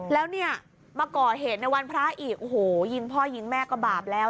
แล้วเนี่ยมาก่อเหตุในวันพระอีกโอ้โหยิงพ่อยิงแม่ก็บาปแล้ว